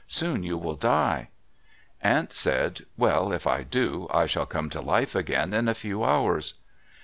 Soon you will die." Ant said, "Well, if I do, I shall come to life again in a few hours."